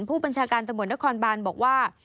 ผู้บัญชาการตำรวจนครบานบอกว่า